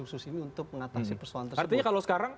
khusus ini untuk mengatasi persoalan tersebut